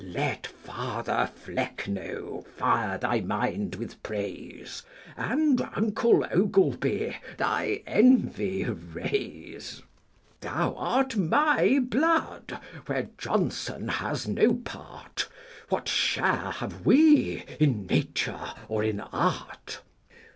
Let Father Flecknoe fire thy mind with praise, And uncle Ogleby thy envy raise. Thou art my blood, where Jonson has no part : What share have we in nature, or in art